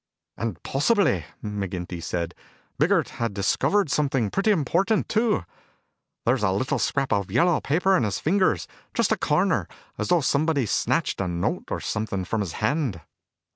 "And possibly," McGinty said, "Biggert had discovered something pretty important, too! There's a little scrap of yellow paper in his fingers just a corner, as though somebody snatched a note or something from his hand."